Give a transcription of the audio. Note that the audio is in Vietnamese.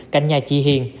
cạnh nhà chị hiền